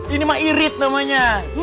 ini mah irit namanya